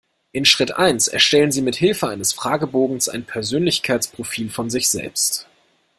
In Schritt eins erstellen Sie mithilfe eines Fragebogens ein Persönlichkeitsprofil von sich selbst.